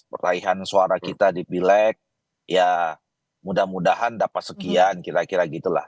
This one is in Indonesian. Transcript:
peraihan suara kita di pileg ya mudah mudahan dapat sekian kira kira gitu lah